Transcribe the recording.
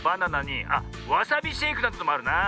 あっわさびシェイクなんていうのもあるな。